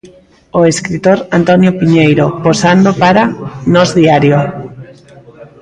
O escritor Antonio Piñeiro, posando para 'Nós Diario'.